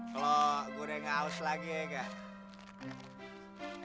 kalau gue udah gaus lagi ya gak